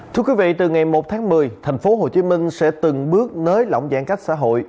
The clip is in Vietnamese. thưa quý vị từ ngày một tháng một mươi thành phố hồ chí minh sẽ từng bước nới lỏng giãn cách xã hội